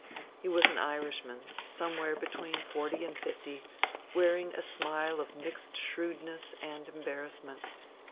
He was an Irishman, somewhere between forty and fifty, wearing a smile of mixed shrewdness and embarrassment.